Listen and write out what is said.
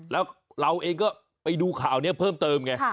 แล้วเราเองก็ไปดูข่าวนี้เพิ่มเติมไง